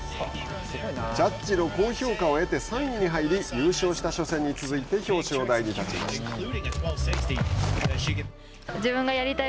ジャッジの高評価を得て３位に入り優勝した初戦に続いて表彰台に立ちました。